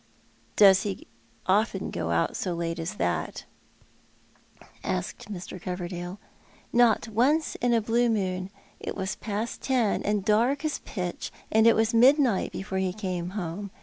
" Does ho often go out so late as that ?" asked Mr. Coverdale. " Not once in a blue moon. It was past ten, and dark as pitch ; and it was midnight before he came home.